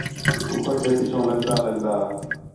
کُکڑ تے پِچّھوں لڳدا لڳدا